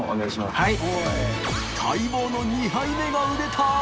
はい。